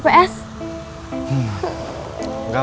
masih gak ada